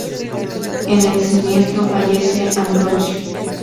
En el siniestro fallece Ambrosio.